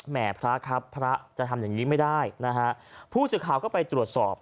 แม่พระครับพระจะทำอย่างงี้ไม่ได้นะฮะผู้สื่อข่าวก็ไปตรวจสอบ